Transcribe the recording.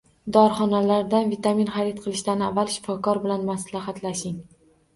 Dorixonalardan vitamin xarid qilishdan avval shifokor bilan maslahatlashing